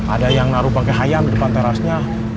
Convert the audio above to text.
ada yang naruh pake hayam depan terasnya